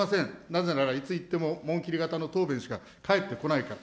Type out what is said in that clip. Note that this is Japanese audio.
なぜならいついっても紋切り型の答弁しか返ってこないから。